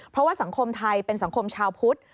เพราะว่าสังคมไทยเป็นสังคมชาวพุทธ